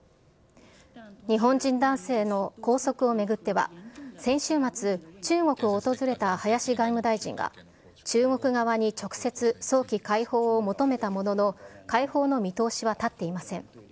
日本人男性の拘束を巡っては、先週末、中国を訪れた林外務大臣が、中国側に直接、早期解放を求めたものの、解放の見通しは立っていません。